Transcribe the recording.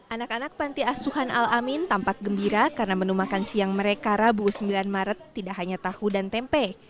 anak anak panti asuhan al amin tampak gembira karena menu makan siang mereka rabu sembilan maret tidak hanya tahu dan tempe